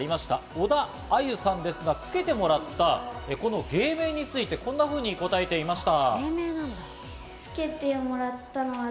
小田愛結さんですが、付けてもらったこの芸名について、こんなふうに答えていました。